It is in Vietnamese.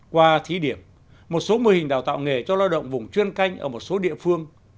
qua thí điểm một số mô hình đào tạo nghề cho lao động vùng chuyên canh ở một số địa phương